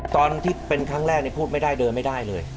ตอนที่เป็นครั้งแรกพูดไม่ได้เดินไม่ได้เลย